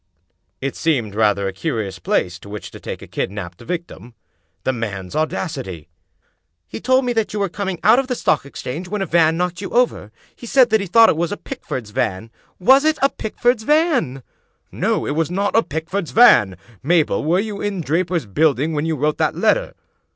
" It seemed rather a curious place to which to take a kid naped victim. The man's audacity! " He told me that you were coming out of the Stock Exchange when a van knocked you over. He said that he thought it was a Pickford's van — ^was it a Pickford's van? "" No, it was not a Pickford's van. Mabel, were you in Draper's Buildings when you wrote that letter?